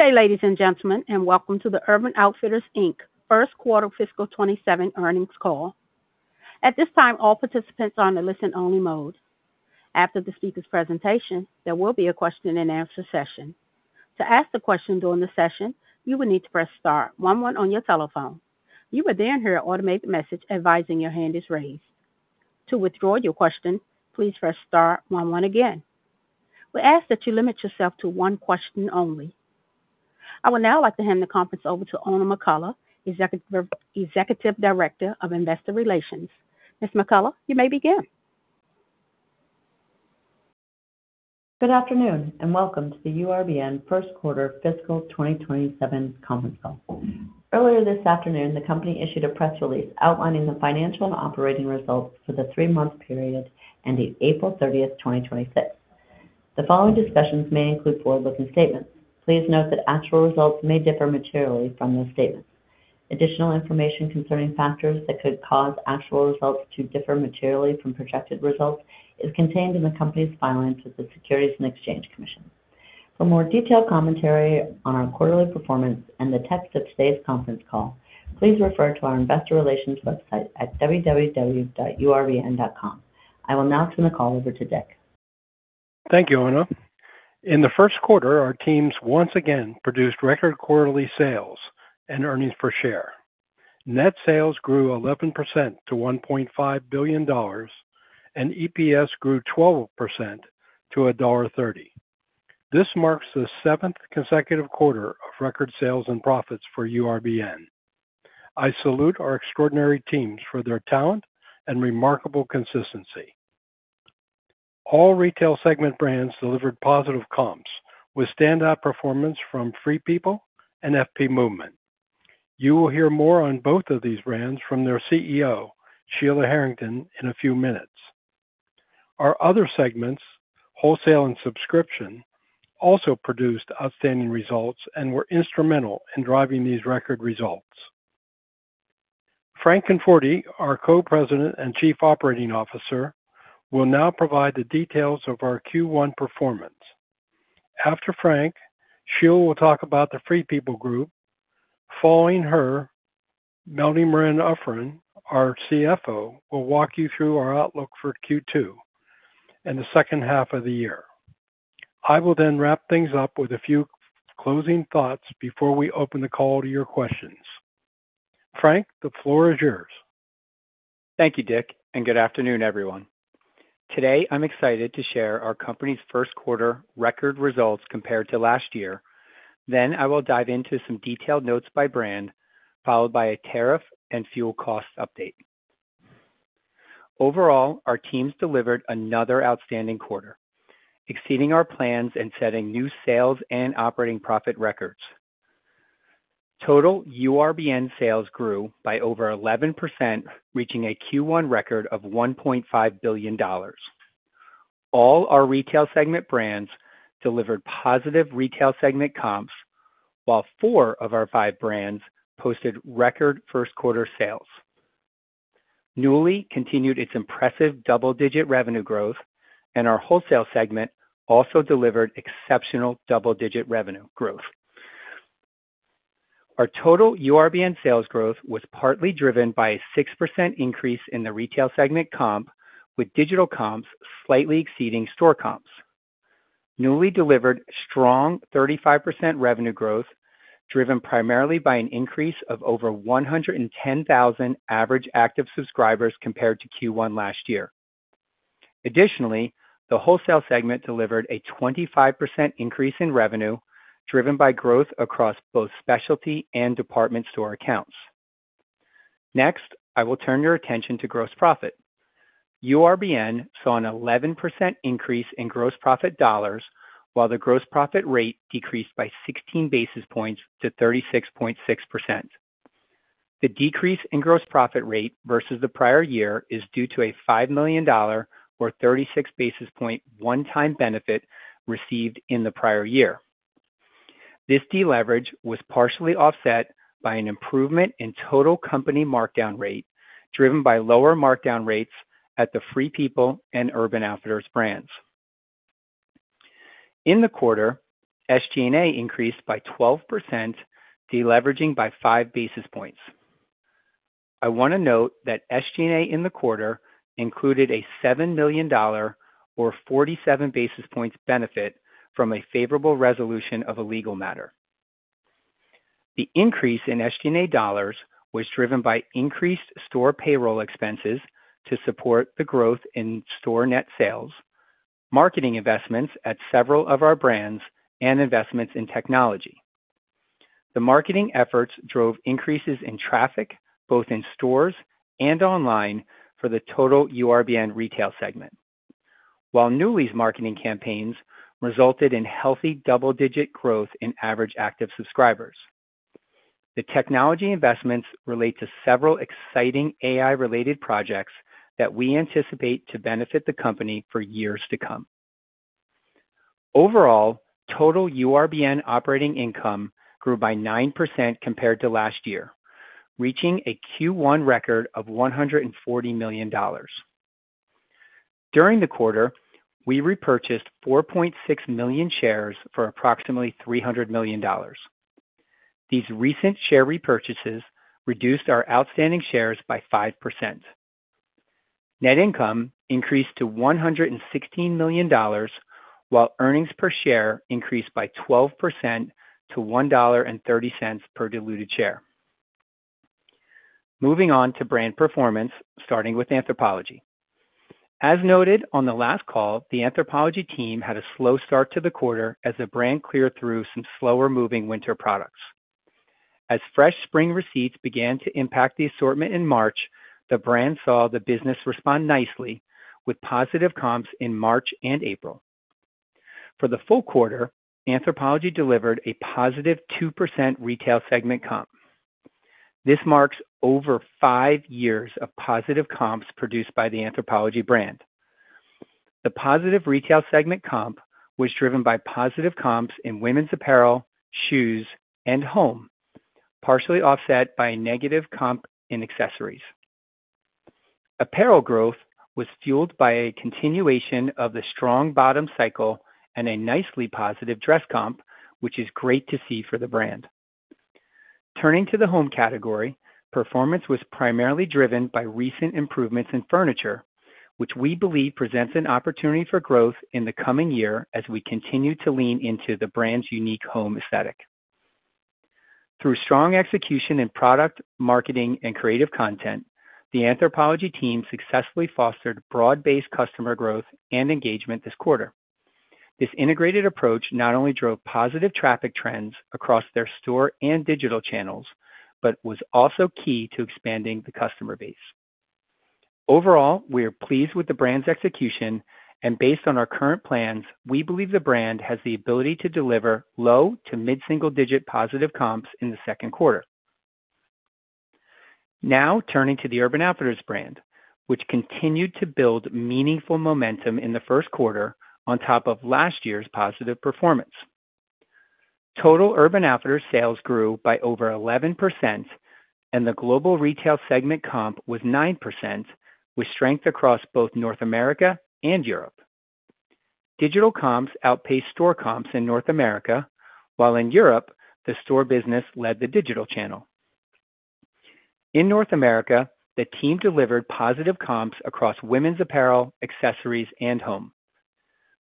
Good day, ladies and gentlemen, and welcome to the Urban Outfitters, Inc. first quarter fiscal 2027 earnings call, at this time all participant are in listen only mode, after the speakers presentation, there will be a question and answer session. To ask a question during the sessions, you will need to press star one one on your telephone, you will then hear automated message advising your hand is raised. To withdraw your question pres star one one again, we ask to limit your question to one question only. I would now like to hand the conference over to Oona McCullough, Executive Director of Investor Relations. Ms. McCullough, you may begin. Good afternoon, welcome to the URBN first quarter fiscal 2027 conference call. Earlier this afternoon, the company issued a press release outlining the financial and operating results for the three month period ending April 30, 2026. The following discussions may include forward-looking statements. Please note that actual results may differ materially from those statements. Additional information concerning factors that could cause actual results to differ materially from projected results is contained in the company's filings with the Securities and Exchange Commission. For more detailed commentary on our quarterly performance and the text of today's conference call, please refer to our investor relations website at www.urbn.com. I will now turn the call over to Dick. Thank you, Oona. In the first quarter, our teams once again produced record quarterly sales and earnings per share. Net sales grew 11% to $1.5 billion. EPS grew 12% to $1.30. This marks the seventh consecutive quarter of record sales and profits for URBN. I salute our extraordinary teams for their talent and remarkable consistency. All retail segment brands delivered positive comps with standout performance from Free People and FP Movement. You will hear more on both of these brands from their Chief Executive Officer, Sheila Harrington, in a few minutes. Our other segments, wholesale and subscription, also produced outstanding results and were instrumental in driving these record results. Frank Conforti, our Co-President and Chief Operating Officer, will now provide the details of our Q1 performance. After Frank, Sheila will talk about the Free People Group. Following her, Melanie Marein-Efron, our Chief Financial Officer, will walk you through our outlook for Q2 and the second half of the year. I will then wrap things up with a few closing thoughts before we open the call to your questions. Frank, the floor is yours. Thank you, Dick. Good afternoon, everyone. Today, I'm excited to share our company's first quarter record results compared to last year. I will dive into some detailed notes by brand, followed by a tariff and fuel cost update. Overall, our teams delivered another outstanding quarter, exceeding our plans and setting new sales and operating profit records. Total URBN sales grew by over 11%, reaching a Q1 record of $1.5 billion. All our retail segment brands delivered positive retail segment comps, while four of our five brands posted record first quarter sales. Nuuly continued its impressive double-digit revenue growth, and our wholesale segment also delivered exceptional double-digit revenue growth. Our total URBN sales growth was partly driven by a 6% increase in the retail segment comp, with digital comps slightly exceeding store comps. Nuuly delivered strong 35% revenue growth, driven primarily by an increase of over 110,000 average active subscribers compared to Q1 last year. Additionally, the wholesale segment delivered a 25% increase in revenue, driven by growth across both specialty and department store accounts. Next, I will turn your attention to gross profit. URBN saw an 11% increase in gross profit dollars, while the gross profit rate decreased by 16 basis points to 36.6%. The decrease in gross profit rate versus the prior year is due to a $5 million, or 36 basis point, one-time benefit received in the prior year. This deleverage was partially offset by an improvement in total company markdown rate, driven by lower markdown rates at the Free People and Urban Outfitters brands. In the quarter, SG&A increased by 12%, deleveraging by 5 basis points. I want to note that SG&A in the quarter included a $7 million, or 47 basis points benefit from a favorable resolution of a legal matter. The increase in SG&A dollars was driven by increased store payroll expenses to support the growth in store net sales, marketing investments at several of our brands, and investments in technology. The marketing efforts drove increases in traffic, both in stores and online, for the total URBN retail segment, while Nuuly's marketing campaigns resulted in healthy double-digit growth in average active subscribers. The technology investments relate to several exciting AI-related projects that we anticipate to benefit the company for years to come. Overall, total URBN operating income grew by 9% compared to last year, reaching a Q1 record of $140 million. During the quarter, we repurchased 4.6 million shares for approximately $300 million. These recent share repurchases reduced our outstanding shares by 5%. Net income increased to $116 million, while earnings per share increased by 12% to $1.30 per diluted share. Moving on to brand performance, starting with Anthropologie. As noted on the last call, the Anthropologie team had a slow start to the quarter as the brand cleared through some slower moving winter products. As fresh spring receipts began to impact the assortment in March, the brand saw the business respond nicely with positive comps in March and April. For the full quarter, Anthropologie delivered a positive 2% retail segment comp. This marks over five years of positive comps produced by the Anthropologie brand. The positive retail segment comp was driven by positive comps in women's apparel, shoes, and home, partially offset by a negative comp in accessories. Apparel growth was fueled by a continuation of the strong bottom cycle and a nicely positive dress comp, which is great to see for the brand. Turning to the home category, performance was primarily driven by recent improvements in furniture, which we believe presents an opportunity for growth in the coming year as we continue to lean into the brand's unique home aesthetic. Through strong execution in product marketing and creative content, the Anthropologie team successfully fostered broad-based customer growth and engagement this quarter. This integrated approach not only drove positive traffic trends across their store and digital channels but was also key to expanding the customer base. Overall, we are pleased with the brand's execution, and based on our current plans, we believe the brand has the ability to deliver low to mid-single digit positive comps in the second quarter. Now turning to the Urban Outfitters brand, which continued to build meaningful momentum in the first quarter on top of last year's positive performance. Total Urban Outfitters sales grew by over 11%, and the global retail segment comp was 9%, with strength across both North America and Europe. Digital comps outpaced store comps in North America, while in Europe, the store business led the digital channel. In North America, the team delivered positive comps across women's apparel, accessories, and home.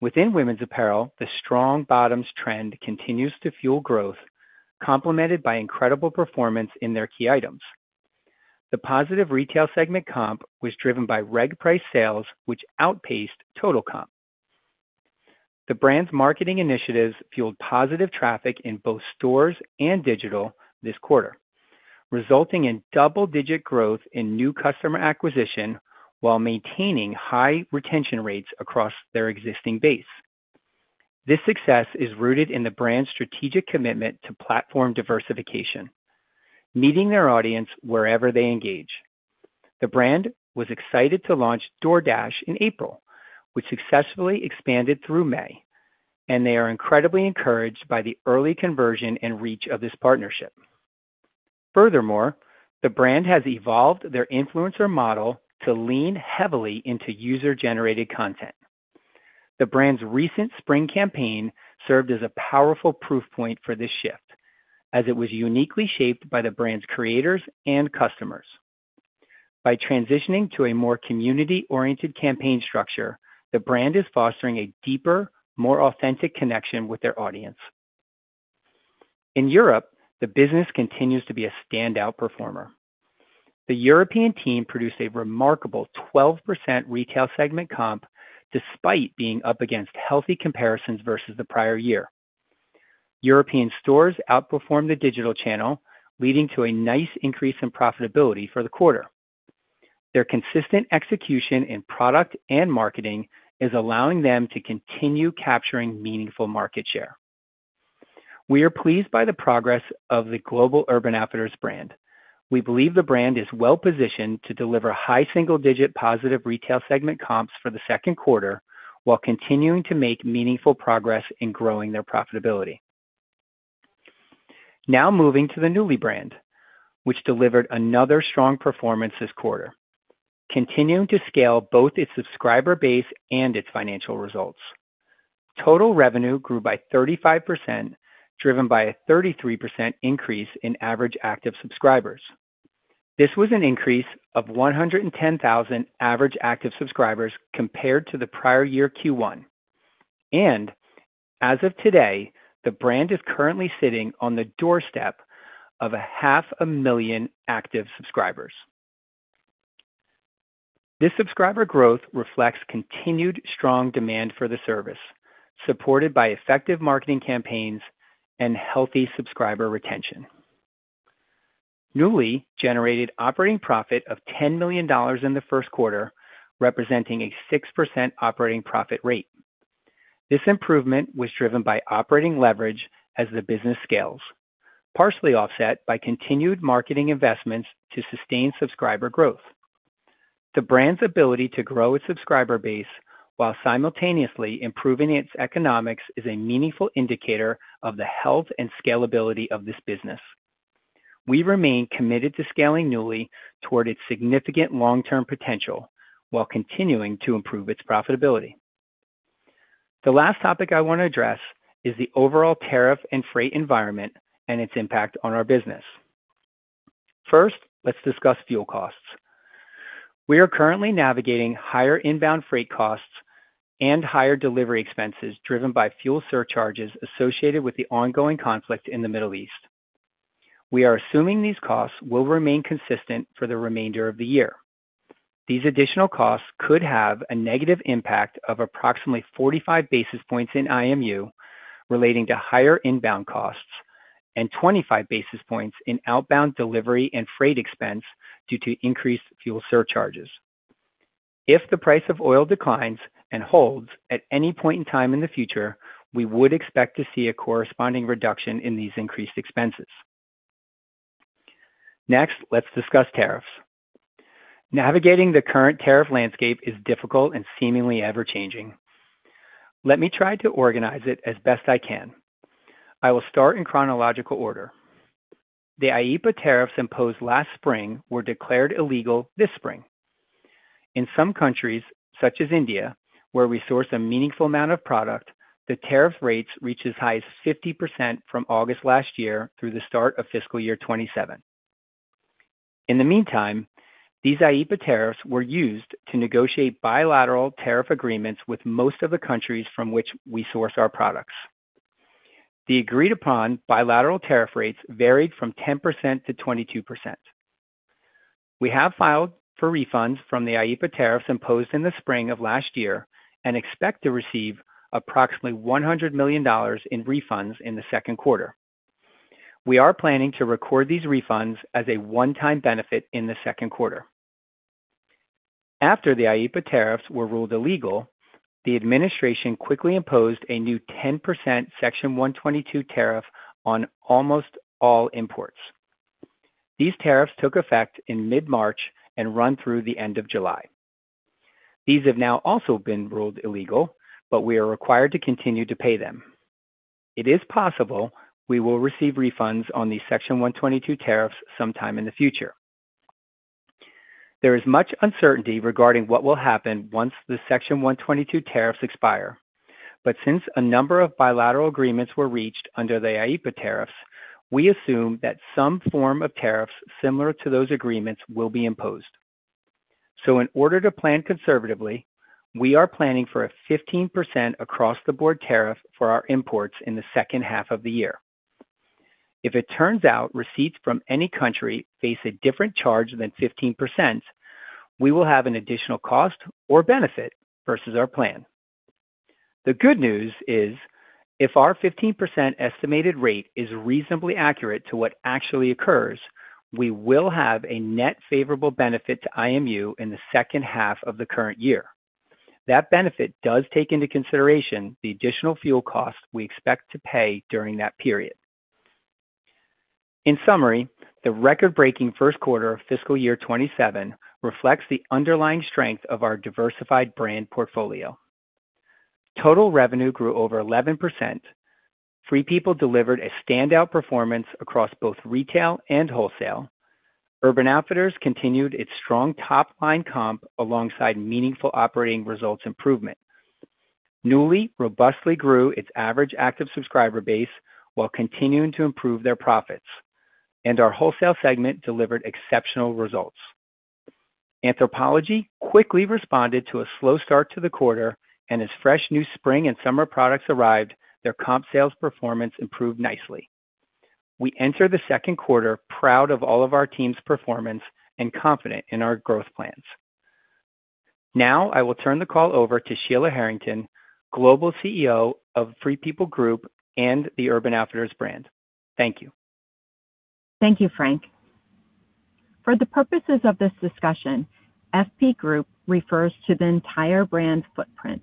Within women's apparel, the strong bottoms trend continues to fuel growth, complemented by incredible performance in their key items. The positive retail segment comp was driven by reg price sales, which outpaced total comp. The brand's marketing initiatives fueled positive traffic in both stores and digital this quarter, resulting in double-digit growth in new customer acquisition while maintaining high retention rates across their existing base. This success is rooted in the brand's strategic commitment to platform diversification, meeting their audience wherever they engage. The brand was excited to launch DoorDash in April, which successfully expanded through May, and they are incredibly encouraged by the early conversion and reach of this partnership. Furthermore, the brand has evolved their influencer model to lean heavily into user-generated content. The brand's recent spring campaign served as a powerful proof point for this shift, as it was uniquely shaped by the brand's creators and customers. By transitioning to a more community-oriented campaign structure, the brand is fostering a deeper, more authentic connection with their audience. In Europe, the business continues to be a standout performer. The European team produced a remarkable 12% retail segment comp despite being up against healthy comparisons versus the prior year. European stores outperformed the digital channel, leading to a nice increase in profitability for the quarter. Their consistent execution in product and marketing is allowing them to continue capturing meaningful market share. We are pleased by the progress of the global Urban Outfitters brand. We believe the brand is well positioned to deliver high single-digit positive retail segment comps for the second quarter while continuing to make meaningful progress in growing their profitability. Now moving to the Nuuly brand, which delivered another strong performance this quarter, continuing to scale both its subscriber base and its financial results. Total revenue grew by 35%, driven by a 33% increase in average active subscribers. This was an increase of 110,000 average active subscribers compared to the prior year Q1. As of today, the brand is currently sitting on the doorstep of a half a million active subscribers. This subscriber growth reflects continued strong demand for the service, supported by effective marketing campaigns and healthy subscriber retention. Nuuly generated operating profit of $10 million in the first quarter, representing a 6% operating profit rate. This improvement was driven by operating leverage as the business scales, partially offset by continued marketing investments to sustain subscriber growth. The brand's ability to grow its subscriber base while simultaneously improving its economics is a meaningful indicator of the health and scalability of this business. We remain committed to scaling Nuuly toward its significant long-term potential while continuing to improve its profitability. The last topic I want to address is the overall tariff and freight environment and its impact on our business. First, let's discuss fuel costs. We are currently navigating higher inbound freight costs and higher delivery expenses driven by fuel surcharges associated with the ongoing conflict in the Middle East. We are assuming these costs will remain consistent for the remainder of the year. These additional costs could have a negative impact of approximately 45 basis points in IMU relating to higher inbound costs and 25 basis points in outbound delivery and freight expense due to increased fuel surcharges. If the price of oil declines and holds at any point in time in the future, we would expect to see a corresponding reduction in these increased expenses. Next, let's discuss tariffs. Navigating the current tariff landscape is difficult and seemingly ever-changing. Let me try to organize it as best I can. I will start in chronological order. The IEPA tariffs imposed last spring were declared illegal this spring. In some countries, such as India, where we source a meaningful amount of product, the tariff rates reached as high as 50% from August last year through the start of fiscal year 2027. In the meantime, these IEPA tariffs were used to negotiate bilateral tariff agreements with most of the countries from which we source our products. The agreed-upon bilateral tariff rates varied from 10% to 22%. We have filed for refunds from the IEPA tariffs imposed in the spring of last year and expect to receive approximately $100 million in refunds in the second quarter. We are planning to record these refunds as a one-time benefit in the second quarter. After the IEPA tariffs were ruled illegal, the administration quickly imposed a new 10% Section 122 tariff on almost all imports. These tariffs took effect in mid-March and run through the end of July. These have now also been ruled illegal, but we are required to continue to pay them. It is possible we will receive refunds on the Section 122 tariffs sometime in the future. There is much uncertainty regarding what will happen once the Section 122 tariffs expire, but since a number of bilateral agreements were reached under the IEPA tariffs, we assume that some form of tariffs similar to those agreements will be imposed. In order to plan conservatively, we are planning for a 15% across-the-board tariff for our imports in the second half of the year. If it turns out receipts from any country face a different charge than 15%, we will have an additional cost or benefit versus our plan. The good news is if our 15% estimated rate is reasonably accurate to what actually occurs, we will have a net favorable benefit to IMU in the second half of the current year. That benefit does take into consideration the additional fuel costs we expect to pay during that period. In summary, the record-breaking first quarter of fiscal year 2027 reflects the underlying strength of our diversified brand portfolio. Total revenue grew over 11%. Free People delivered a standout performance across both retail and wholesale. Urban Outfitters continued its strong top-line comp alongside meaningful operating results improvement. Nuuly robustly grew its average active subscriber base while continuing to improve their profits, and our wholesale segment delivered exceptional results. Anthropologie quickly responded to a slow start to the quarter, and as fresh new spring and summer products arrived, their comp sales performance improved nicely. We enter the second quarter proud of all of our team's performance and confident in our growth plans. Now, I will turn the call over to Sheila Harrington, Global Chief Executive Officer of Free People Group and the Urban Outfitters brand. Thank you. Thank you, Frank. For the purposes of this discussion, FP Group refers to the entire brand footprint,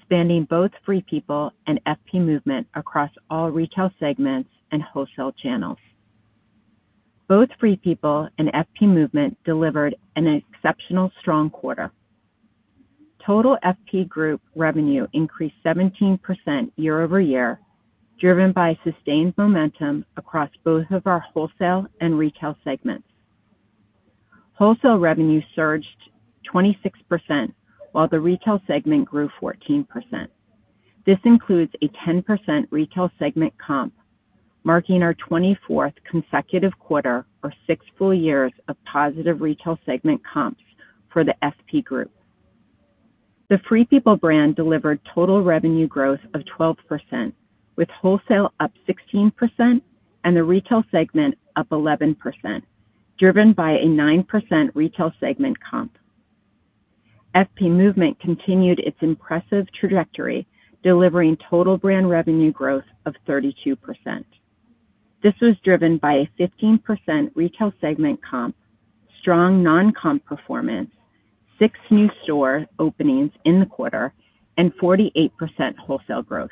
spanning both Free People and FP Movement across all retail segments and wholesale channels. Both Free People and FP Movement delivered an exceptional strong quarter. Total FP Group revenue increased 17% year-over-year, driven by sustained momentum across both of our wholesale and retail segments. Wholesale revenue surged 26%, while the retail segment grew 14%. This includes a 10% retail segment comp, marking our 24th consecutive quarter or six full years of positive retail segment comps for the FP Group. The Free People brand delivered total revenue growth of 12%, with wholesale up 16% and the retail segment up 11%, driven by a 9% retail segment comp. FP Movement continued its impressive trajectory, delivering total brand revenue growth of 32%. This was driven by a 15% retail segment comp, strong non-comp performance, six new store openings in the quarter, and 48% wholesale growth.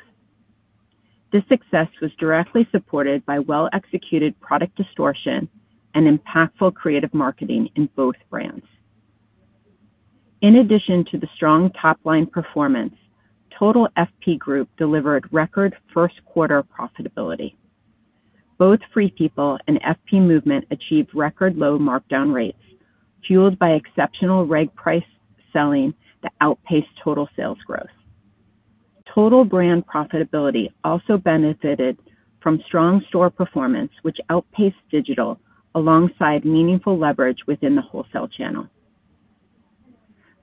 This success was directly supported by well-executed product distortion and impactful creative marketing in both brands. In addition to the strong top-line performance, total FP Group delivered record first quarter profitability. Both Free People and FP Movement achieved record low markdown rates, fueled by exceptional reg price selling that outpaced total sales growth. Total brand profitability also benefited from strong store performance, which outpaced digital alongside meaningful leverage within the wholesale channel.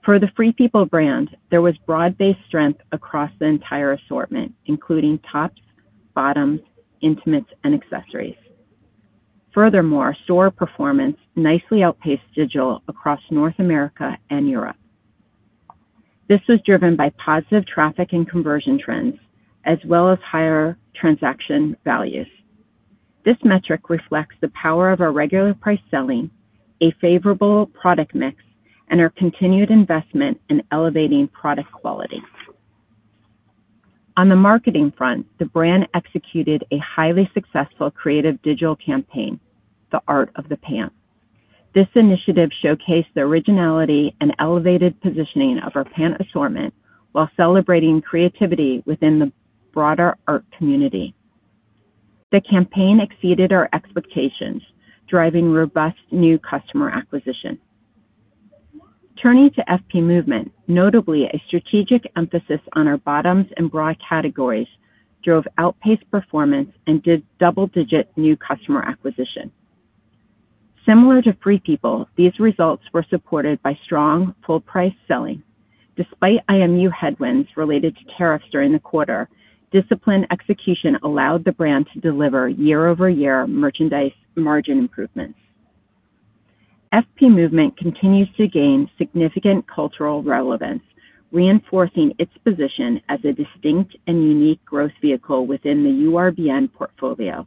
For the Free People brand, there was broad-based strength across the entire assortment, including tops, bottoms, intimates, and accessories. Store performance nicely outpaced digital across North America and Europe. This was driven by positive traffic and conversion trends, as well as higher transaction values. This metric reflects the power of our regular price selling, a favorable product mix, and our continued investment in elevating product quality. On the marketing front, the brand executed a highly successful creative digital campaign, The Art of the Pant. This initiative showcased the originality and elevated positioning of our pant assortment while celebrating creativity within the broader art community. The campaign exceeded our expectations, driving robust new customer acquisition. Turning to FP Movement, notably a strategic emphasis on our bottoms and bra categories, drove outpaced performance and did double-digit new customer acquisition. Similar to Free People, these results were supported by strong full price selling. Despite IMU headwinds related to tariffs during the quarter, disciplined execution allowed the brand to deliver year-over-year merchandise margin improvements. FP Movement continues to gain significant cultural relevance, reinforcing its position as a distinct and unique growth vehicle within the URBN portfolio.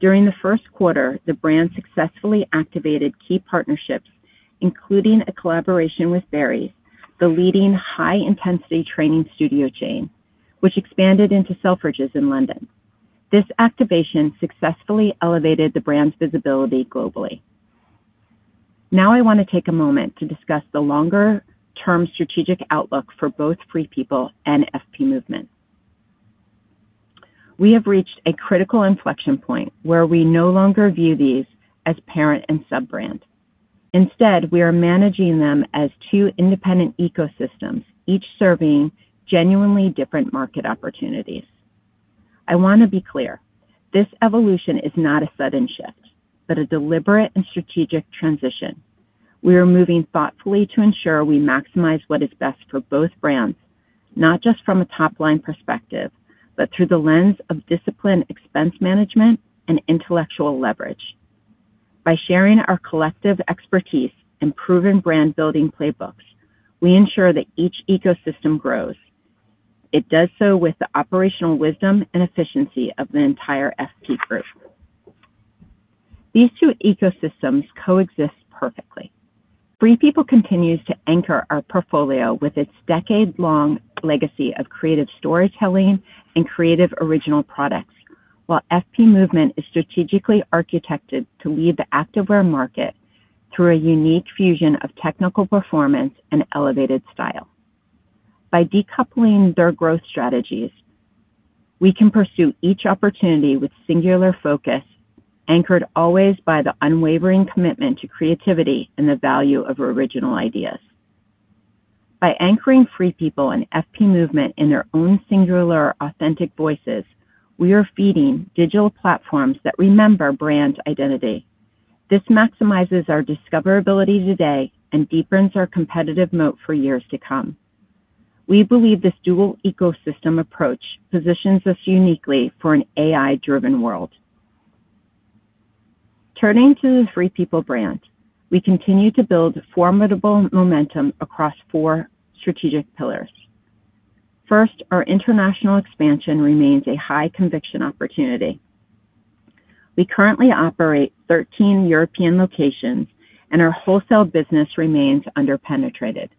During the first quarter, the brand successfully activated key partnerships, including a collaboration with Barry's, the leading high-intensity training studio chain, which expanded into Selfridges in London. This activation successfully elevated the brand's visibility globally. Now, I want to take a moment to discuss the longer-term strategic outlook for both Free People and FP Movement. We have reached a critical inflection point where we no longer view these as parent and sub-brand. Instead, we are managing them as two independent ecosystems, each serving genuinely different market opportunities. I want to be clear. This evolution is not a sudden shift, but a deliberate and strategic transition. We are moving thoughtfully to ensure we maximize what is best for both brands, not just from a top-line perspective, but through the lens of disciplined expense management and intellectual leverage. By sharing our collective expertise and proven brand building playbooks, we ensure that each ecosystem grows. It does so with the operational wisdom and efficiency of the entire FP Group. These two ecosystems coexist perfectly. Free People continues to anchor our portfolio with its decade-long legacy of creative storytelling and creative, original products, while FP Movement is strategically architected to lead the activewear market through a unique fusion of technical performance and elevated style. By decoupling their growth strategies, we can pursue each opportunity with singular focus, anchored always by the unwavering commitment to creativity and the value of original ideas. By anchoring Free People and FP Movement in their own singular, authentic voices, we are feeding digital platforms that remember brand identity. This maximizes our discoverability today and deepens our competitive moat for years to come. We believe this dual ecosystem approach positions us uniquely for an AI-driven world. Turning to the Free People brand, we continue to build formidable momentum across four strategic pillars. First, our international expansion remains a high-conviction opportunity. We currently operate 13 European locations, and our wholesale business remains under-penetrated,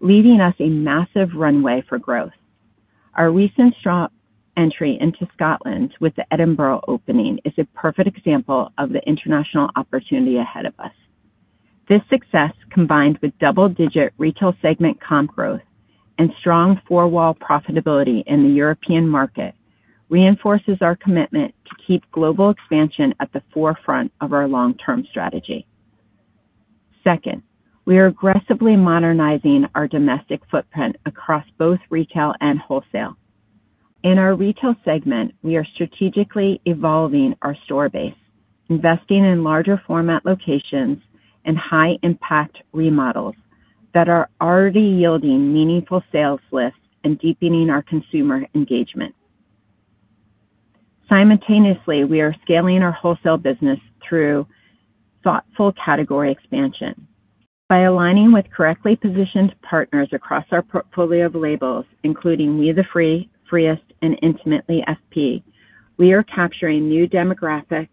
leaving us a massive runway for growth. Our recent strong entry into Scotland with the Edinburgh opening is a perfect example of the international opportunity ahead of us. This success, combined with double-digit retail segment comp growth and strong four-wall profitability in the European market, reinforces our commitment to keep global expansion at the forefront of our long-term strategy. Second, we are aggressively modernizing our domestic footprint across both retail and wholesale. In our retail segment, we are strategically evolving our store base, investing in larger format locations and high-impact remodels that are already yielding meaningful sales lifts and deepening our consumer engagement. Simultaneously, we are scaling our wholesale business through thoughtful category expansion. By aligning with correctly positioned partners across our portfolio of labels, including We The Free, free-est, and Intimately FP, we are capturing new demographics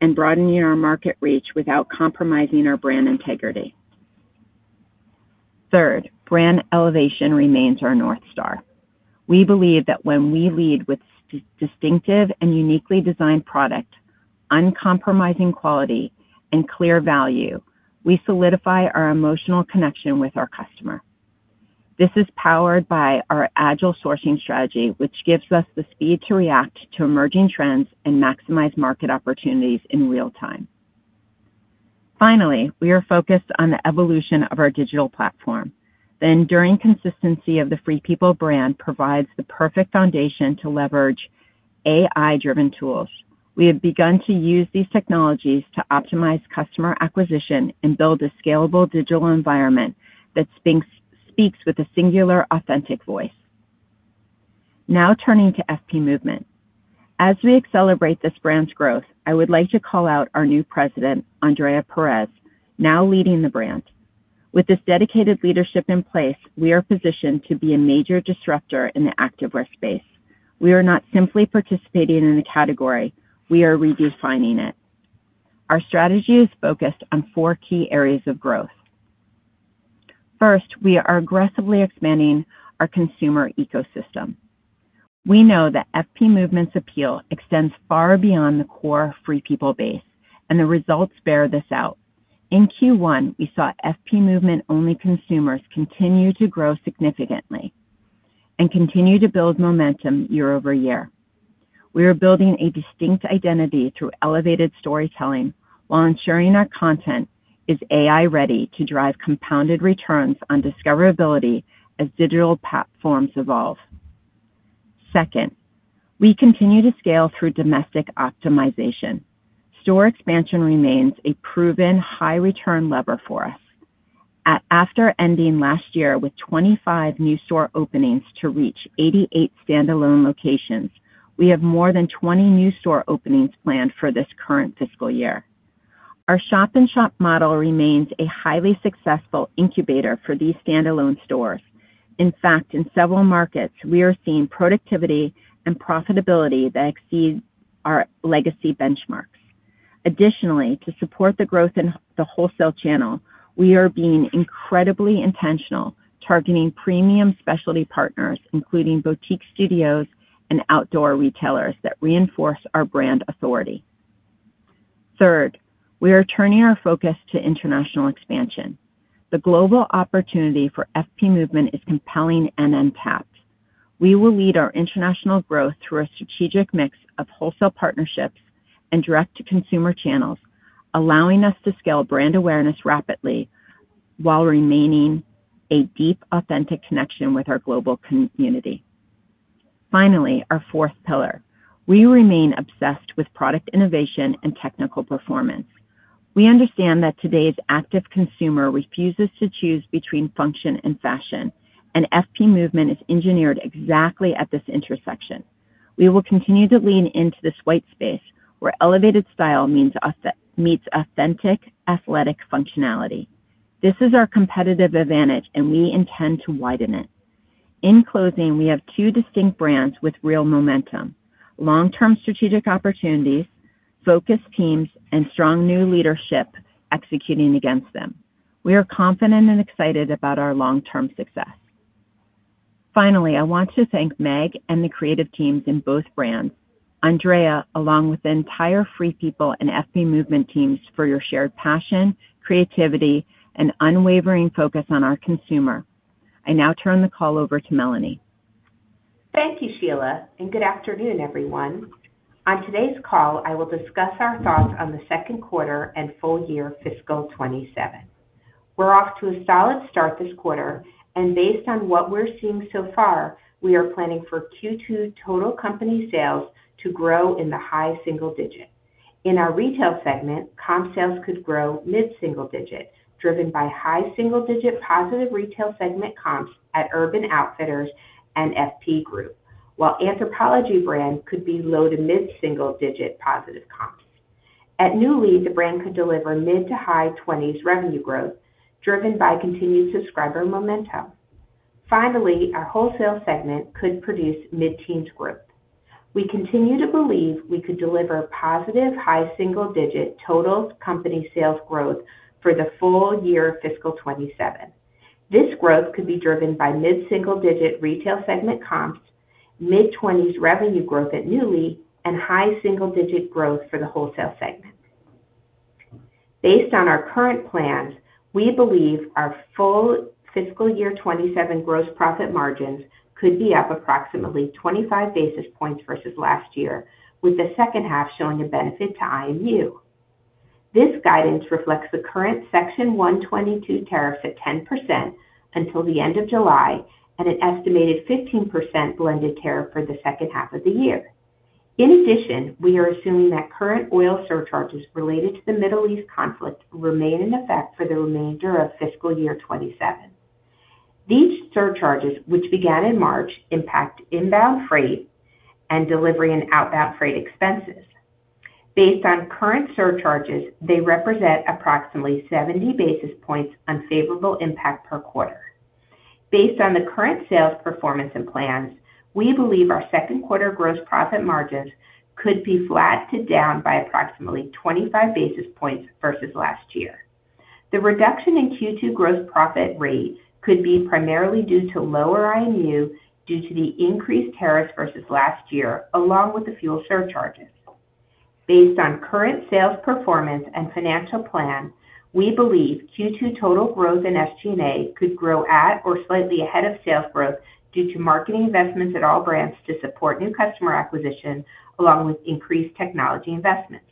and broadening our market reach without compromising our brand integrity. Third, brand elevation remains our North Star. We believe that when we lead with distinctive and uniquely designed product, uncompromising quality, and clear value, we solidify our emotional connection with our customer. This is powered by our agile sourcing strategy, which gives us the speed to react to emerging trends and maximize market opportunities in real time. Finally, we are focused on the evolution of our digital platform. The enduring consistency of the Free People brand provides the perfect foundation to leverage AI-driven tools. We have begun to use these technologies to optimize customer acquisition and build a scalable digital environment that speaks with a singular, authentic voice. Now turning to FP Movement. As we accelerate this brand's growth, I would like to call out our new President, Andrea Perez, now leading the brand. With this dedicated leadership in place, we are positioned to be a major disruptor in the activewear space. We are not simply participating in a category, we are redefining it. Our strategy is focused on four key areas of growth. First, we are aggressively expanding our consumer ecosystem. We know that FP Movement's appeal extends far beyond the core Free People base, and the results bear this out. In Q1, we saw FP Movement-only consumers continue to grow significantly and continue to build momentum year-over-year. We are building a distinct identity through elevated storytelling while ensuring our content is AI-ready to drive compounded returns on discoverability as digital platforms evolve. Second, we continue to scale through domestic optimization. Store expansion remains a proven high return lever for us. After ending last year with 25 new store openings to reach 88 standalone locations, we have more than 20 new store openings planned for this current fiscal year. Our shop-in-shop model remains a highly successful incubator for these standalone stores. In fact, in several markets, we are seeing productivity and profitability that exceeds our legacy benchmarks. Additionally, to support the growth in the wholesale channel, we are being incredibly intentional targeting premium specialty partners, including boutique studios and outdoor retailers that reinforce our brand authority. Third, we are turning our focus to international expansion. The global opportunity for FP Movement is compelling and untapped. We will lead our international growth through a strategic mix of wholesale partnerships and direct-to-consumer channels, allowing us to scale brand awareness rapidly while remaining a deep, authentic connection with our global community. Finally, our fourth pillar, we remain obsessed with product innovation and technical performance. We understand that today's active consumer refuses to choose between function and fashion, and FP Movement is engineered exactly at this intersection. We will continue to lean into this white space, where elevated style meets authentic athletic functionality. This is our competitive advantage, and we intend to widen it. In closing, we have two distinct brands with real momentum, long-term strategic opportunities, focused teams, and strong new leadership executing against them. We are confident and excited about our long-term success. Finally, I want to thank Meg and the creative teams in both brands, Andrea, along with the entire Free People and FP Movement teams for your shared passion, creativity, and unwavering focus on our consumer. I now turn the call over to Melanie. Thank you, Sheila, and good afternoon, everyone. On today's call, I will discuss our thoughts on the second quarter and full year fiscal 2027. We're off to a solid start this quarter, based on what we're seeing so far, we are planning for Q2 total company sales to grow in the high single digits. In our retail segment, comp sales could grow mid-single digits, driven by high single-digit positive retail segment comps at Urban Outfitters and FP Group, while Anthropologie brand could be low to mid-single digit positive comps. At Nuuly, the brand could deliver mid to high 20s revenue growth, driven by continued subscriber momentum. Finally, our wholesale segment could produce mid-teens growth. We continue to believe we could deliver positive high single-digit total company sales growth for the full year fiscal 2027. This growth could be driven by mid-single-digit retail segment comps, mid-20s revenue growth at Nuuly, and high single-digit growth for the wholesale segment. Based on our current plans, we believe our full fiscal year 2027 gross profit margins could be up approximately 25 basis points versus last year, with the second half showing a benefit to IMU. This guidance reflects the current Section 122 tariff at 10% until the end of July and an estimated 15% blended tariff for the second half of the year. In addition, we are assuming that current oil surcharges related to the Middle East conflict will remain in effect for the remainder of fiscal year 2027. These surcharges, which began in March, impact inbound freight and delivery and outbound freight expenses. Based on current surcharges, they represent approximately 70 basis points unfavorable impact per quarter. Based on the current sales performance and plans, we believe our second quarter gross profit margins could be flat to down by approximately 25 basis points versus last year. The reduction in Q2 gross profit rate could be primarily due to lower IMU due to the increased tariffs versus last year, along with the fuel surcharges. Based on current sales performance and financial plan, we believe Q2 total growth in SG&A could grow at or slightly ahead of sales growth due to marketing investments at all brands to support new customer acquisition, along with increased technology investments.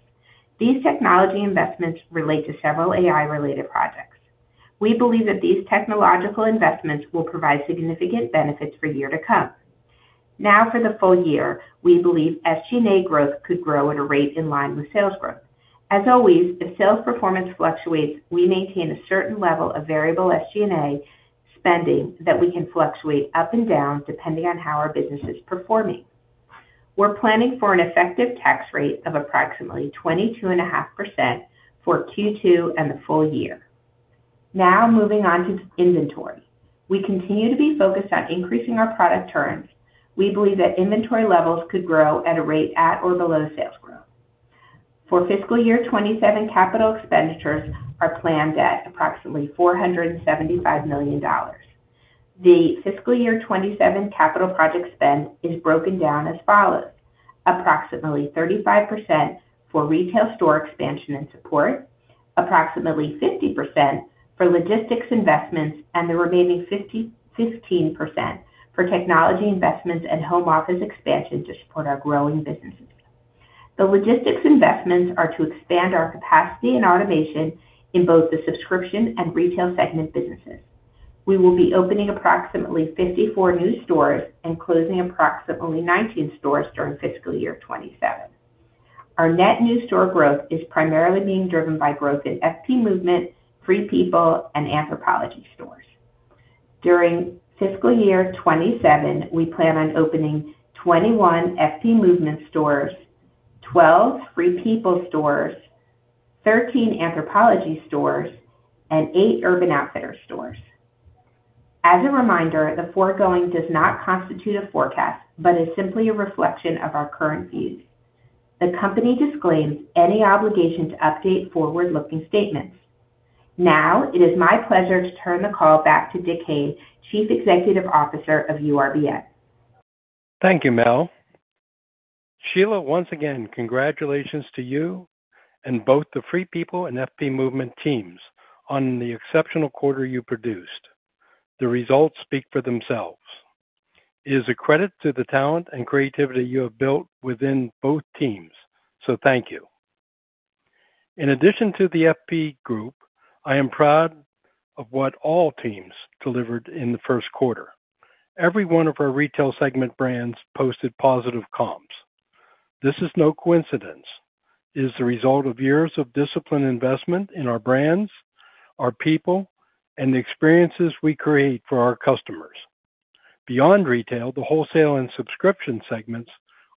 These technology investments relate to several AI-related projects. We believe that these technological investments will provide significant benefits for year to come. For the full year, we believe SG&A growth could grow at a rate in line with sales growth. Always, if sales performance fluctuates, we maintain a certain level of variable SG&A spending that we can fluctuate up and down depending on how our business is performing. We're planning for an effective tax rate of approximately 22.5% for Q2 and the full year. Moving on to inventory. We continue to be focused on increasing our product turns. We believe that inventory levels could grow at a rate at or below sales growth. For fiscal year 2027, capital expenditures are planned at approximately $475 million. The fiscal year 2027 capital project spend is broken down as follows: approximately 35% for retail store expansion and support, approximately 50% for logistics investments, and the remaining 15% for technology investments and home office expansion to support our growing businesses. The logistics investments are to expand our capacity and automation in both the subscription and retail segment businesses. We will be opening approximately 54 new stores and closing approximately 19 stores during fiscal year 2027. Our net new store growth is primarily being driven by growth in FP Movement, Free People, and Anthropologie stores. During fiscal year 2027, we plan on opening 21 FP Movement stores, 12 Free People stores, 13 Anthropologie stores, and 8 Urban Outfitters stores. As a reminder, the foregoing does not constitute a forecast, but is simply a reflection of our current views. The company disclaims any obligation to update forward-looking statements. It is my pleasure to turn the call back to Dick Hayne, Chief Executive Officer of URBN. Thank you, Mel. Sheila, once again, congratulations to you and both the Free People and FP Movement teams on the exceptional quarter you produced. The results speak for themselves. It is a credit to the talent and creativity you have built within both teams, so thank you. In addition to the FP group, I am proud of what all teams delivered in the first quarter. Every one of our retail segment brands posted positive comps. This is no coincidence. It is the result of years of disciplined investment in our brands, our people, and the experiences we create for our customers. Beyond retail, the wholesale and subscription segments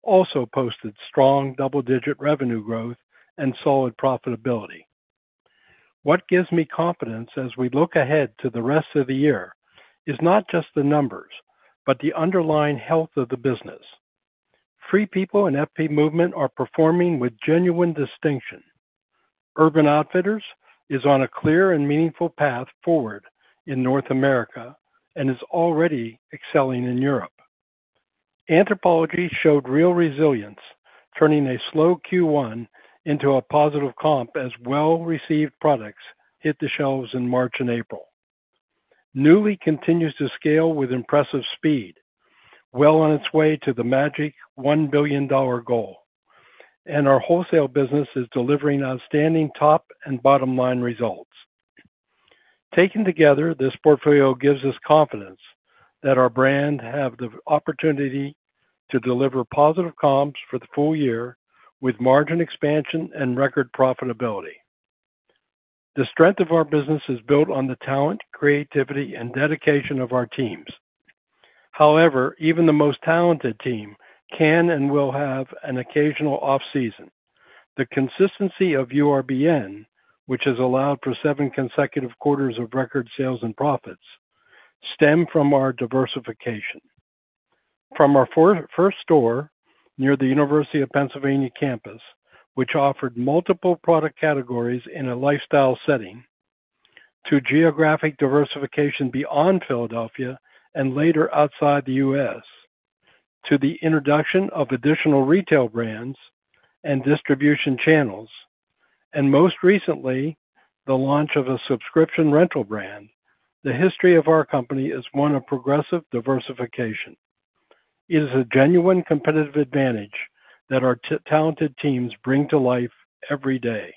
also posted strong double-digit revenue growth and solid profitability. What gives me confidence as we look ahead to the rest of the year is not just the numbers, but the underlying health of the business. Free People and FP Movement are performing with genuine distinction. Urban Outfitters is on a clear and meaningful path forward in North America and is already excelling in Europe. Anthropologie showed real resilience, turning a slow Q1 into a positive comp as well-received products hit the shelves in March and April. Nuuly continues to scale with impressive speed, well on its way to the magic $1 billion goal. Our wholesale business is delivering outstanding top and bottom-line results. Taken together, this portfolio gives us confidence that our brand have the opportunity to deliver positive comps for the full year with margin expansion and record profitability. The strength of our business is built on the talent, creativity, and dedication of our teams. However, even the most talented team can and will have an occasional off-season. The consistency of URBN, which has allowed for seven consecutive quarters of record sales and profits, stem from our diversification. From our first store near the University of Pennsylvania campus, which offered multiple product categories in a lifestyle setting, to geographic diversification beyond Philadelphia and later outside the U.S., to the introduction of additional retail brands and distribution channels, and most recently, the launch of a subscription rental brand, the history of our company is one of progressive diversification. It is a genuine competitive advantage that our talented teams bring to life every day.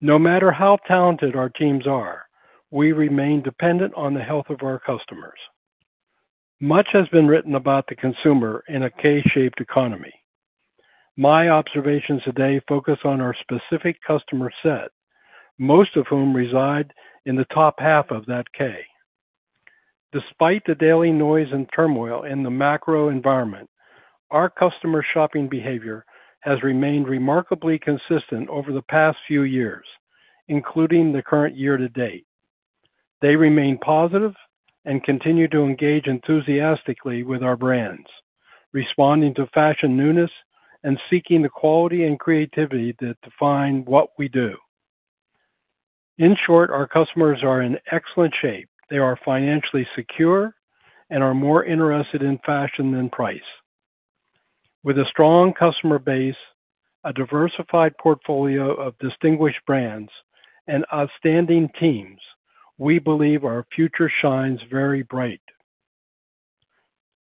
No matter how talented our teams are, we remain dependent on the health of our customers. Much has been written about the consumer in a K-shaped economy. My observations today focus on our specific customer set, most of whom reside in the top half of that K. Despite the daily noise and turmoil in the macro environment, our customer shopping behavior has remained remarkably consistent over the past few years, including the current year to date. They remain positive and continue to engage enthusiastically with our brands, responding to fashion newness and seeking the quality and creativity that define what we do. In short, our customers are in excellent shape. They are financially secure and are more interested in fashion than price. With a strong customer base, a diversified portfolio of distinguished brands, and outstanding teams, we believe our future shines very bright.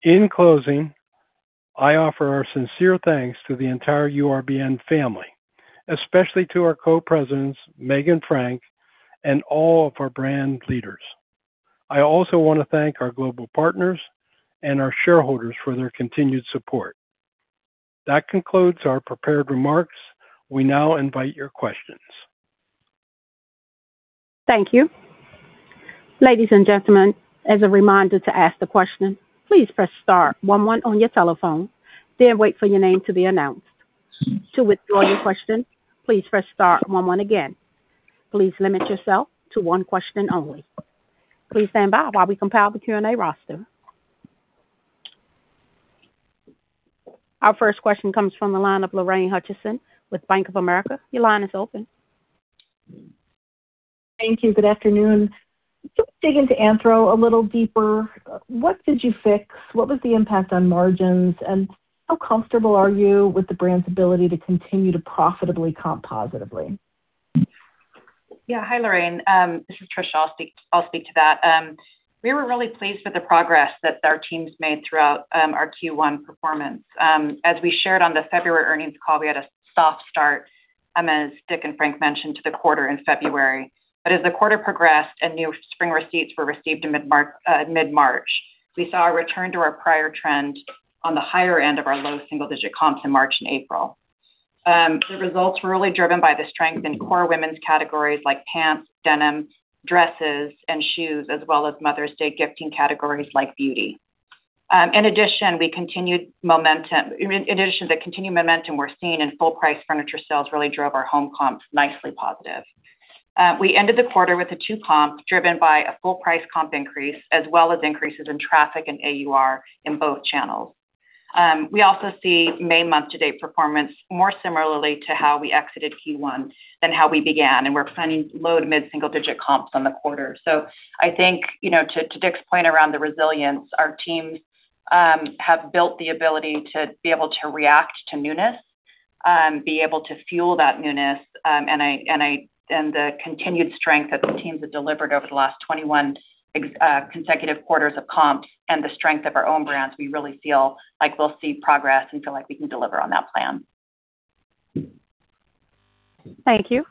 In closing, I offer our sincere thanks to the entire URBN family, especially to our Co-Presidents, Megan, Frank, and all of our brand leaders. I also want to thank our Global Partners and our Shareholders for their continued support. That concludes our prepared remarks. We now invite your questions. Thank you. Ladies and gentlemen, as a reminder to ask the question, please press star one one on your telephone, then wait for your name to be announced. To withdraw your question, please press star one one again. Please limit yourself to one question only. Please stand by while we compile the Q&A roster. Our first question comes from the line of Lorraine Hutchinson with Bank of America. Your line is open. Thank you. Good afternoon. Just dig into Anthro a little deeper, what did you fix? What was the impact on margins, and how comfortable are you with the brand's ability to continue to profitably comp positively? Yeah. Hi, Lorraine. This is Tricia. I'll speak to that. We were really pleased with the progress that our teams made throughout our Q1 performance. As we shared on the February earnings call, we had a soft start, as Dick and Frank mentioned, to the quarter in February. But as the quarter progressed and new spring receipts were received in mid-March, we saw a return to our prior trend on the higher end of our low single-digit comps in March and April. The results were really driven by the strength in core women's categories like pants, denim, dresses, and shoes, as well as Mother's Day gifting categories like beauty. In addition, the continued momentum we're seeing in full-price furniture sales really drove our home comps nicely positive. We ended the quarter with a two comp driven by a full price comp increase, as well as increases in traffic and AUR in both channels. We also see May month-to-date performance more similarly to how we exited Q1 than how we began, and we're planning low to mid single digit comps on the quarter. I think to Dick's point around the resilience, our teams have built the ability to be able to react to newness, be able to fuel that newness, and the continued strength that the teams have delivered over the last 21 consecutive quarters of comps and the strength of our own brands, we really feel like we'll see progress and feel like we can deliver on that plan. Thank you.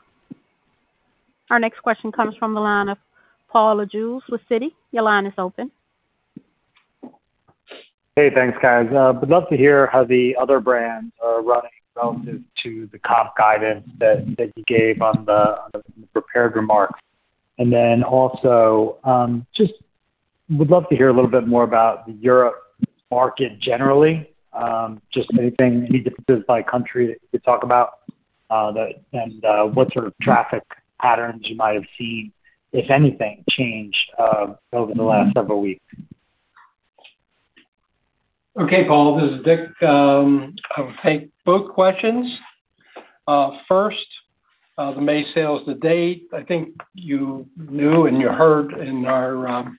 Our next question comes from the line of Paul Lejuez with Citi. Your line is open. Hey, thanks, guys. Would love to hear how the other brands are running relative to the comp guidance that you gave on the prepared remarks. Also, just would love to hear a little bit more about the Europe market generally. Just anything, any differences by country you could talk about, and what sort of traffic patterns you might have seen, if anything changed, over the last several weeks. Okay, Paul. This is Dick. I'll take both questions. First, the May sales to date, I think you knew and you heard in our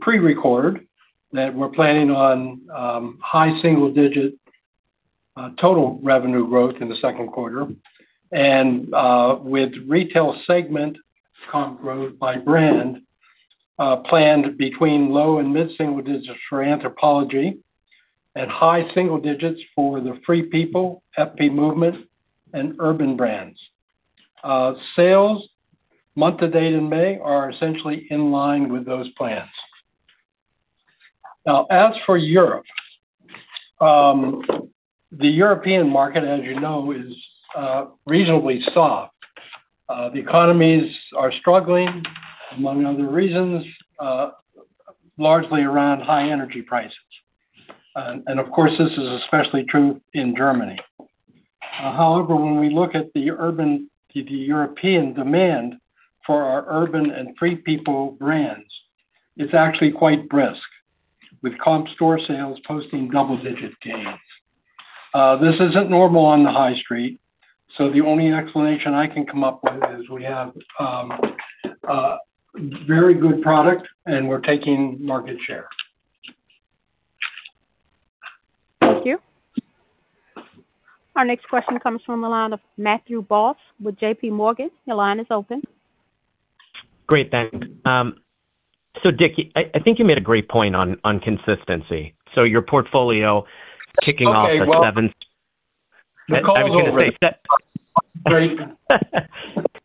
pre-record that we're planning on high single-digit total revenue growth in the second quarter. With retail segment comp growth by brand planned between low and mid single-digits for Anthropologie and high single-digits for the Free People, FP Movement, and Urban brands. Sales month to date in May are essentially in line with those plans. As for Europe, the European market, as you know, is reasonably soft. The economies are struggling, among other reasons, largely around high energy prices. Of course, this is especially true in Germany. However, when we look at the European demand for our Urban and Free People brands, it's actually quite brisk, with comp store sales posting double-digit gains. This isn't normal on the high street. The only explanation I can come up with is we have very good product, and we're taking market share. Thank you. Our next question comes from the line of Matthew Boss with JPMorgan. Your line is open. Great, thanks. Dick, I think you made a great point on consistency. Your portfolio kicking off a seventh. Okay, well, the call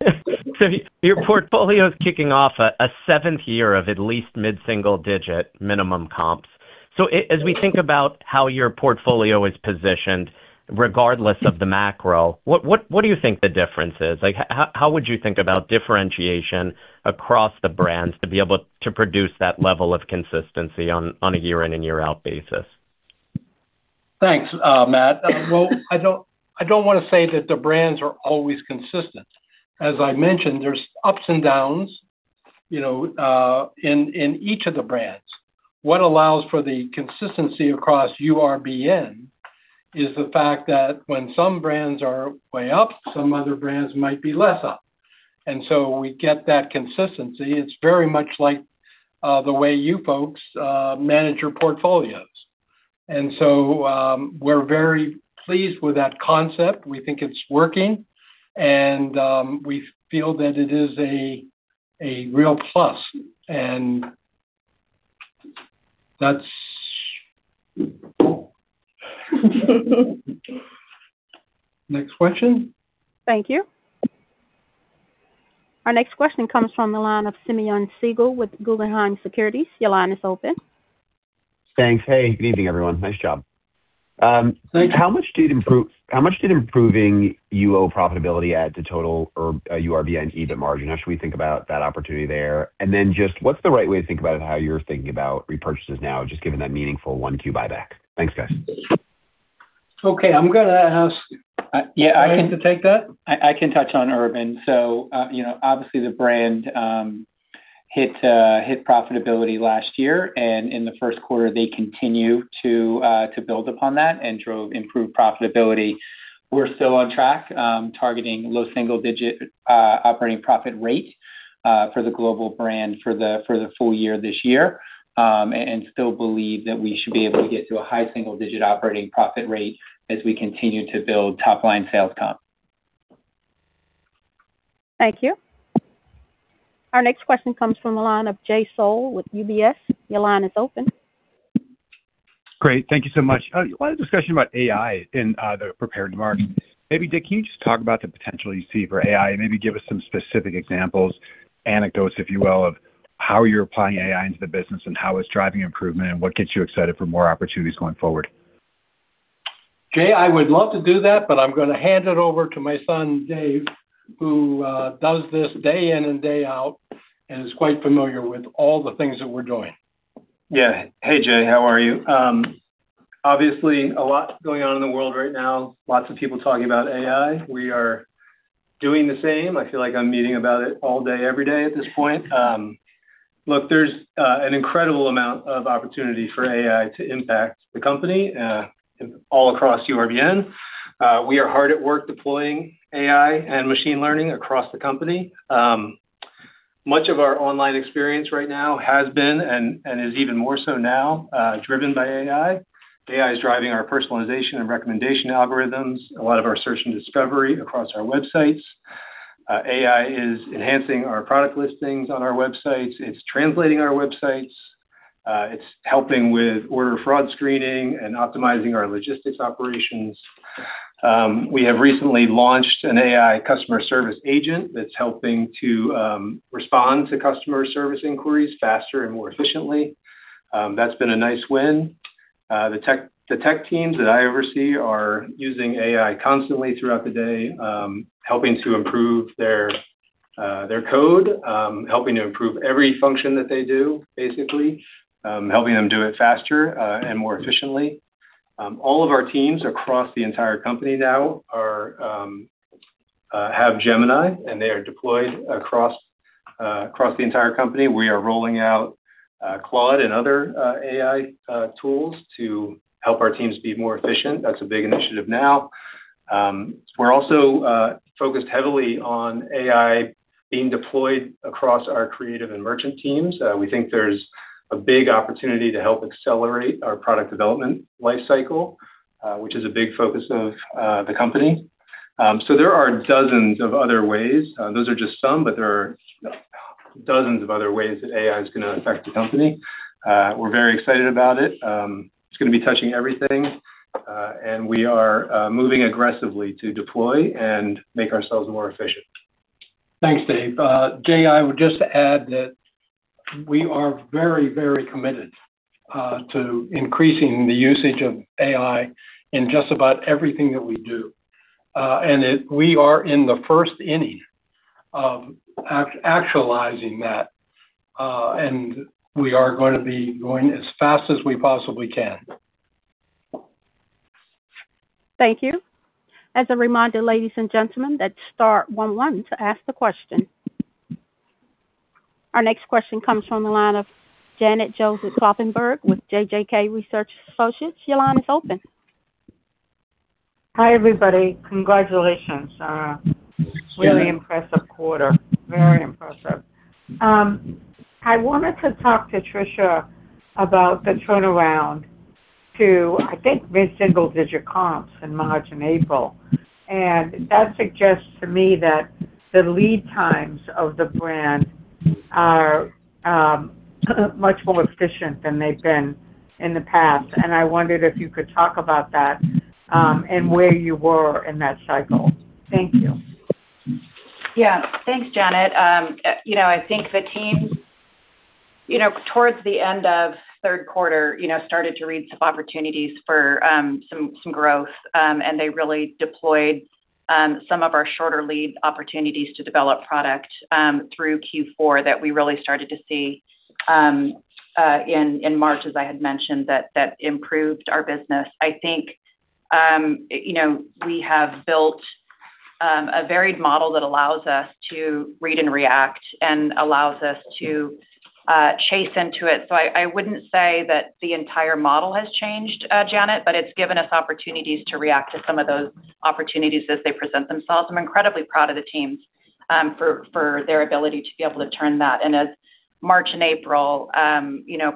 is over. Your portfolio is kicking off a seventh year of at least mid-single digit minimum comps. As we think about how your portfolio is positioned, regardless of the macro, what do you think the difference is? How would you think about differentiation across the brands to be able to produce that level of consistency on a year in and year out basis? Thanks, Matt. Well, I don't want to say that the brands are always consistent. As I mentioned, there's ups and downs in each of the brands. What allows for the consistency across URBN is the fact that when some brands are way up, some other brands might be less up. We get that consistency. It's very much like the way you folks manage your portfolios. We're very pleased with that concept. We think it's working, and we feel that it is a real plus, and that's Next question. Thank you. Our next question comes from the line of Simeon Siegel with Guggenheim Securities. Your line is open. Thanks. Hey, good evening, everyone. Nice job. Thank you. How much did improving UO profitability add to total or URBN EBIT margin? How should we think about that opportunity there? Then just what's the right way to think about how you're thinking about repurchases now, just given that meaningful 1-2 buyback? Thanks, guys. Okay. I'm going to ask Frank to take that. I can touch on Urban. Obviously the brand hit profitability last year, and in the first quarter, they continue to build upon that and improve profitability. We're still on track, targeting low single-digit operating profit rate for the global brand for the full year this year. Still believe that we should be able to get to a high single-digit operating profit rate as we continue to build top-line sales comp. Thank you. Our next question comes from the line of Jay Sole with UBS. Your line is open. Great. Thank you so much. A lot of discussion about AI in the prepared remarks. Maybe, Dick, can you just talk about the potential you see for AI and maybe give us some specific examples, anecdotes, if you will, of how you're applying AI into the business and how it's driving improvement, and what gets you excited for more opportunities going forward? Jay, I would love to do that, but I'm going to hand it over to my son, Dave, who does this day in and day out and is quite familiar with all the things that we're doing. Yeah. Hey, Jay. How are you? Obviously, a lot going on in the world right now. Lots of people talking about AI. We are doing the same. I feel like I'm meeting about it all day, every day at this point. Look, there's an incredible amount of opportunity for AI to impact the company all across URBN. We are hard at work deploying AI and machine learning across the company. Much of our online experience right now has been, and is even more so now, driven by AI. AI is driving our personalization and recommendation algorithms, a lot of our search and discovery across our websites. AI is enhancing our product listings on our websites. It's translating our websites. It's helping with order fraud screening and optimizing our logistics operations. We have recently launched an AI customer service agent that's helping to respond to customer service inquiries faster and more efficiently. That's been a nice win. The tech teams that I oversee are using AI constantly throughout the day, helping to improve their code, helping to improve every function that they do, basically. Helping them do it faster and more efficiently. All of our teams across the entire company now have Gemini. They are deployed across the entire company. We are rolling out Claude and other AI tools to help our teams be more efficient. That's a big initiative now. We're also focused heavily on AI being deployed across our creative and merchant teams. We think there's a big opportunity to help accelerate our product development life cycle, which is a big focus of the company. There are dozens of other ways. Those are just some, but there are dozens of other ways that AI is going to affect the company. We are very excited about it. It is going to be touching everything. We are moving aggressively to deploy and make ourselves more efficient. Thanks, Dave. Jay, I would just add that we are very committed to increasing the usage of AI in just about everything that we do. We are in the first inning of actualizing that. We are going to be going as fast as we possibly can. Thank you. As a reminder, ladies and gentlemen, that's star one one to ask the question. Our next question comes from the line of Janet Kloppenburg with JJK Research Associates. Your line is open. Hi, everybody. Congratulations, really impressive quarter. Very impressive. I wanted to talk to Tricia about the turnaround to, I think, mid-single-digit comps in March and April. That suggests to me that the lead times of the brand are much more efficient than they've been in the past, and I wondered if you could talk about that, and where you were in that cycle. Thank you. Yeah. Thanks, Janet. I think the team towards the end of third quarter started to read some opportunities for some growth. They really deployed. Some of our shorter lead opportunities to develop product through Q4 that we really started to see in March, as I had mentioned, that improved our business. I think we have built a varied model that allows us to read and react and allows us to chase into it. I wouldn't say that the entire model has changed, Janet, but it's given us opportunities to react to some of those opportunities as they present themselves. I'm incredibly proud of the teams for their ability to be able to turn that. As March and April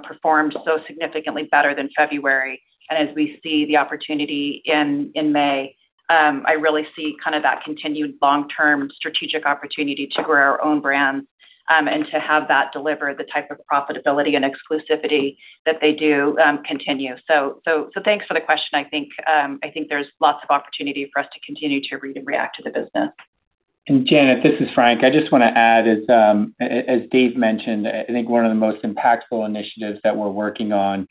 performed so significantly better than February, and as we see the opportunity in May, I really see that continued long-term strategic opportunity to grow our own brands and to have that deliver the type of profitability and exclusivity that they do continue. Thanks for the question. I think there's lots of opportunity for us to continue to read and react to the business. Janet, this is Frank. I just want to add, as Dave mentioned, I think one of the most impactful initiatives that we're working on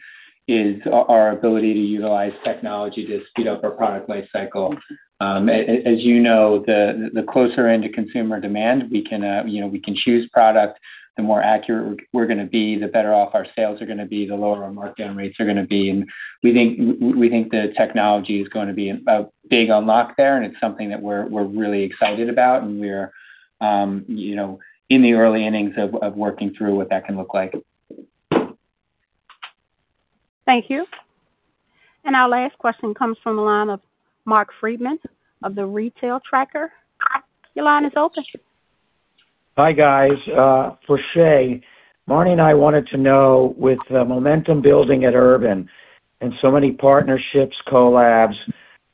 is our ability to utilize technology to speed up our product life cycle. As you know, the closer into consumer demand we can choose product, the more accurate we're going to be, the better off our sales are going to be, the lower our markdown rates are going to be. We think the technology is going to be a big unlock there, and it's something that we're really excited about, and we're in the early innings of working through what that can look like. Thank you. Our last question comes from the line of Mark Friedman of The Retail Tracker. Your line is open. Hi, guys. For Shea, Marni and I wanted to know, with the momentum building at Urban and so many partnerships, collabs,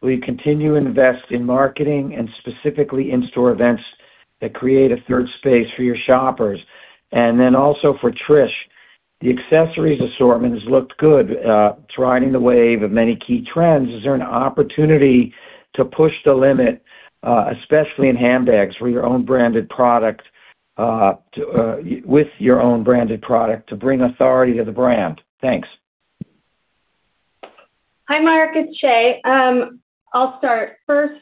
will you continue to invest in marketing and specifically in-store events that create a third space for your shoppers? Also for Tricia, the accessories assortment has looked good. It's riding the wave of many key trends. Is there an opportunity to push the limit, especially in handbags, with your own branded product to bring authority to the brand? Thanks. Hi, Mark, it's Shea. I'll start. First,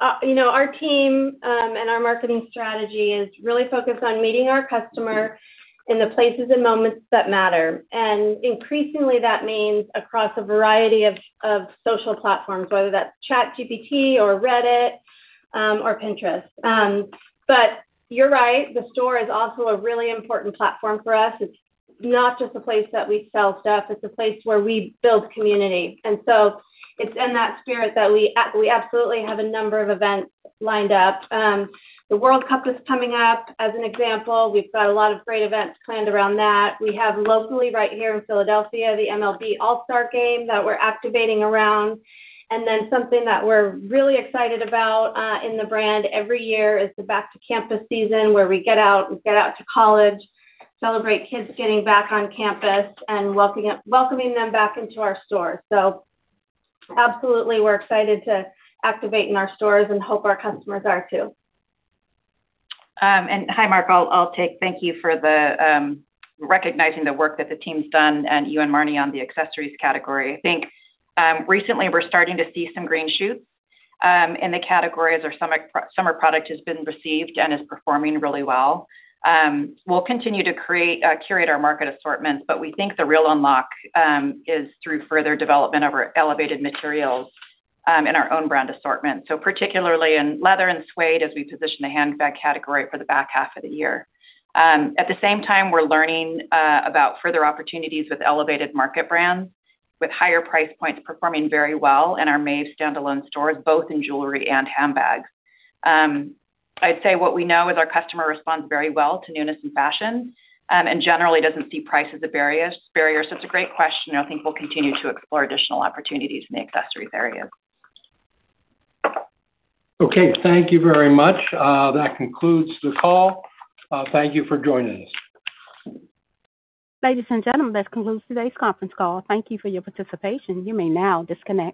our team and our marketing strategy is really focused on meeting our customer in the places and moments that matter. Increasingly, that means across a variety of social platforms, whether that's ChatGPT or Reddit or Pinterest. You're right, the store is also a really important platform for us. It's not just a place that we sell stuff, it's a place where we build community. It's in that spirit that we absolutely have a number of events lined up. The World Cup is coming up, as an example. We've got a lot of great events planned around that. We have locally, right here in Philadelphia, the MLB All-Star Game that we're activating around. Something that we're really excited about in the brand every year is the back-to-campus season where we get out to college, celebrate kids getting back on campus, and welcoming them back into our stores. Absolutely, we're excited to activate in our stores and hope our customers are too. Hi, Mark. Thank you for recognizing the work that the team's done, and you and Marni on the accessories category. I think recently we're starting to see some green shoots in the categories. Our summer product has been received and is performing really well. We'll continue to curate our market assortments, but we think the real unlock is through further development of our elevated materials in our own brand assortment. Particularly in leather and suede as we position the handbag category for the back half of the year. At the same time, we're learning about further opportunities with elevated market brands, with higher price points performing very well in our Maeve standalone stores, both in jewelry and handbags. I'd say what we know is our customer responds very well to newness and fashion, and generally doesn't see price as a barrier. It's a great question, and I think we'll continue to explore additional opportunities in the accessories area. Okay. Thank you very much. That concludes the call. Thank you for joining us. Ladies and gentlemen, that concludes today's conference call. Thank you for your participation. You may now disconnect.